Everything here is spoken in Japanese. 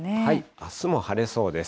あすも晴れそうです。